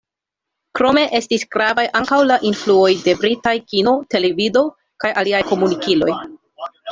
Krome estis gravaj ankaŭ la influoj de britaj kino, televido kaj aliaj komunikiloj.